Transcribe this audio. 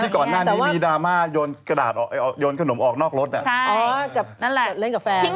เมื่อก่อนหน้านั้นมีดราม่าโยนขนมออกนอกรถอะโอ้นั่นแหละเล่นกับแฟน